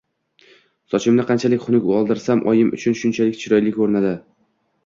Sochimni qanchalik xunuk oldirsam, oyim uchun shunchalik chiroyli ko'rinadi...